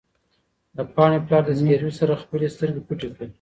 د پاڼې پلار د زګېروي سره خپلې سترګې پټې کړې.